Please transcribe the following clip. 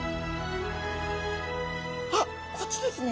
あっこっちですね。